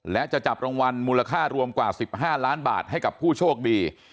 และจะจับรางวัลมูลค่ารวมกว่า๑๕ล้านบาทให้กับผู้โชคดี